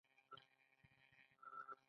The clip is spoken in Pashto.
زمری څنګه ښکار کوي؟